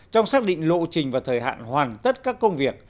trong xác định lộ trình và thời hạn hoàn tất các công việc